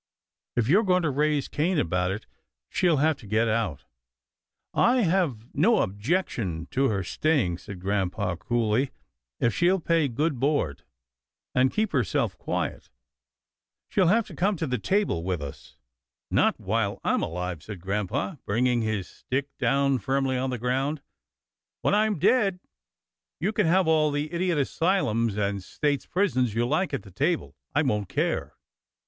If you're going to raise Cain about it, she'll have to get out." " I've no objection to her staying," said grampa, coolly, " if she'll pay good board, and keep herself quiet." " She'll have to come to the table with us." 322 'TILDA JANE'S ORPHANS " Not while I'm alive," said grampa, bringing his stick down firmly on the ground. " When I'm dead, you can have all the idiot asylums, and states' prisons you like at the table. I won't care."